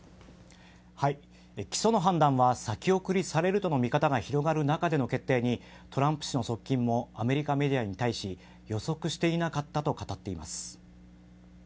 起訴の判断は先送りされるとの見方が広がる中での決定にトランプ氏の側近もアメリカメディアに対し予測していなかったと語っています。